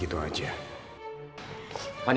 pantes aja kak fanny